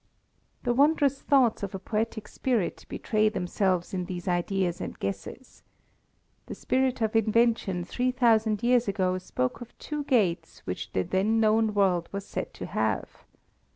The wondrous thoughts of a poetic spirit betray themselves in these ideas and guesses. The spirit of invention three thousand years ago spoke of two gates which the then known world was said to have.